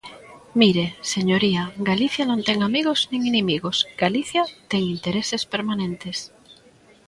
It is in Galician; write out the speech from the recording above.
Mire, señoría, Galicia non ten amigos nin inimigos, Galicia ten intereses permanentes.